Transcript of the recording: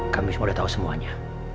kami semua sudah tahu semuanya